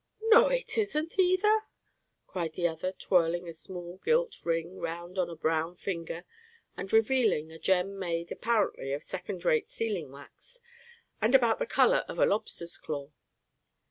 "No, it isn't either!" cried the other, twirling a small gilt ring round on a brown finger, and revealing a gem made, apparently, of second rate sealing wax, and about the color of a lobster's claw.